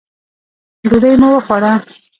ډوډۍ مو وخوړه.